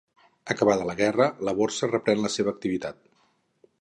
Acabada la guerra, la borsa reprèn la seva activitat.